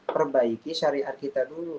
perbaiki syariat kita dulu